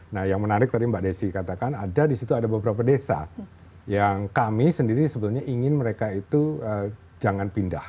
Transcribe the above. nah yang menarik tadi mbak desi katakan ada di situ ada beberapa desa yang kami sendiri sebetulnya ingin mereka itu jangan pindah